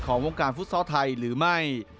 วงการฟุตซอลไทยหรือไม่